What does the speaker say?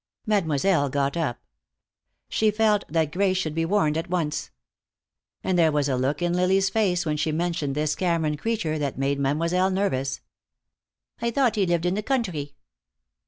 Mademoiselle got up. She felt that Grace should be warned at once. And there was a look in Lily's face when she mentioned this Cameron creature that made Mademoiselle nervous. "I thought he lived in the country."